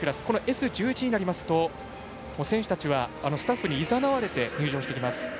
Ｓ１１になりますと選手たちはスタッフにいざなわれて入場してきます。